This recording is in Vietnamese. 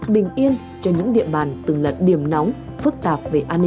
bình yên cho những địa bàn từng lật điểm nóng phức tạp